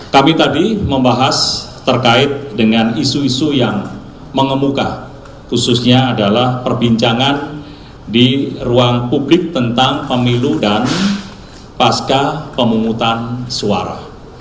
kami tadi membahas terkait dengan isu isu yang mengemuka khususnya adalah perbincangan di ruang publik tentang pemilu dan pasca pemungutan suara